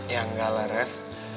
ya enggak lah rev